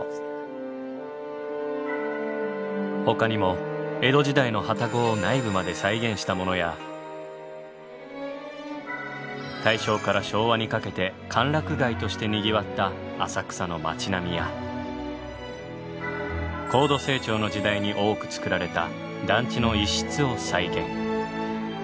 ほかにも江戸時代の旅籠を内部まで再現したものや大正から昭和にかけて歓楽街としてにぎわった浅草の町並みや高度成長の時代に多く造られた団地の一室を再現。